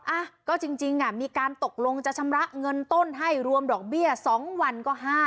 อ่ะก็จริงอ่ะมีการตกลงจะชำระเงินต้นให้รวมดอกเบี้ย๒วันก็๕๐๐